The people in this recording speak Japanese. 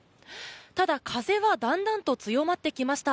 ただ、風はだんだんと強まってきました。